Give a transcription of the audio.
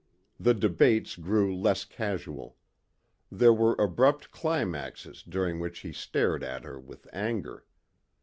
The debates grew less casual. There were abrupt climaxes during which he stared at her with anger.